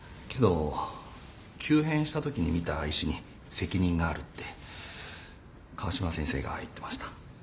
けど急変した時に診た医師に責任があるって川島先生が言ってました。